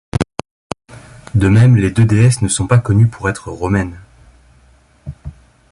De même, les deux déesses ne sont pas connues pour être romaines.